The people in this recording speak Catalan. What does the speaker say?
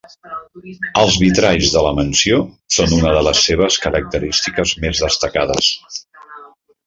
Els vitralls de la mansió són una de les seves característiques més destacades.